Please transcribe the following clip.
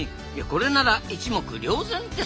これなら一目瞭然ですな。